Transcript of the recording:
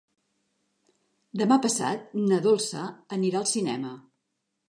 Demà passat na Dolça anirà al cinema.